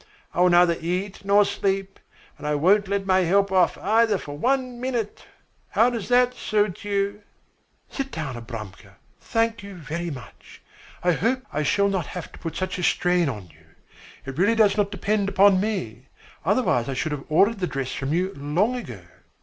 I will neither eat nor sleep, and I won't let my help off either for one minute. How does that suit you?" "Sit down, Abramka, thank you very much. I hope I shall not have to put such a strain on you. It really does not depend upon me, otherwise I should have ordered the dress from you long ago."